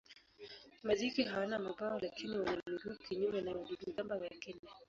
Majike hawana mabawa lakini wana miguu kinyume na wadudu-gamba wengine.